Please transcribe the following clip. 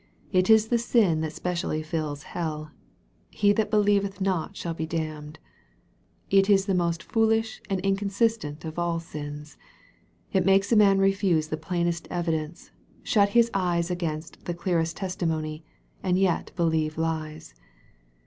It is the sin that specially fills hell. " He that believeth not shall be damned." It is the most fool ish and inconsistent of all sins. It makes a man refuse the plainest evidence, shut his eyes against the clearest tes timony, and yet believe lies.